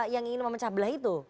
yang ingin memecah belah itu